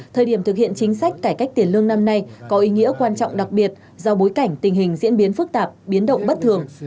thời điểm thực hiện chính sách cải cách tiền lương năm nay có ý nghĩa quan trọng đặc biệt do bối cảnh tình hình diễn biến phức tạp biến động bất thường